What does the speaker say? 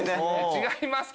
違います。